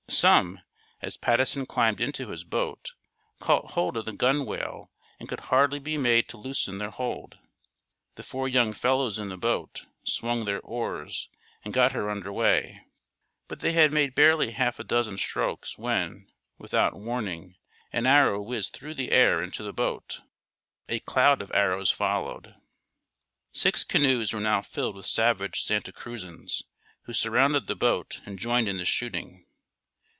Some, as Patteson climbed into his boat, caught hold of the gunwale and could hardly be made to loosen their hold. The four young fellows in the boat swung their oars and got her under way, but they had made barely half a dozen strokes when, without warning, an arrow whizzed through the air into the boat. A cloud of arrows followed. Six canoes were now filled with savage Santa Cruzans, who surrounded the boat and joined in the shooting.